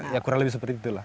ya kurang lebih seperti itulah